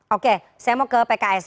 oke saya mau ke pks